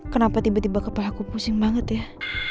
kenapa tiba tiba kepala aku pusing banget ya